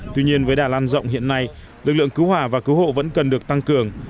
tuy nhiên với đà lan rộng hiện nay lực lượng cứu hỏa và cứu hộ vẫn cần được tăng cường